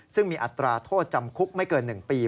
ซึ่งมีอัตราโทษจำคุกไม่เกิน๑ปี